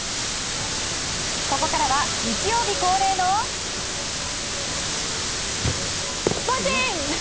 ここからは日曜日恒例のスポ神！